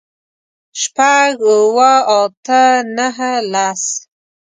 شپږ، اووه، اته، نهه، لس